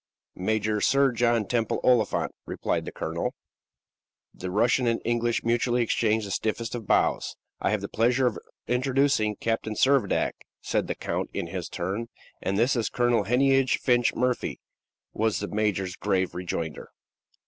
"Major Sir John Temple Oliphant," replied the colonel. The Russian and the Englishman mutually exchanged the stiffest of bows. "I have the pleasure of introducing Captain Servadac," said the count in his turn. "And this is Colonel Heneage Finch Murphy," was the major's grave rejoinder.